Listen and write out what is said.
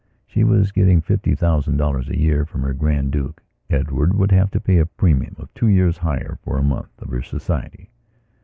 She was getting fifty thousand dollars a year from her Grand Duke; Edward would have to pay a premium of two years' hire for a month of her society.